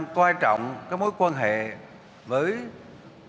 nguyễn xuân phúc khẳng định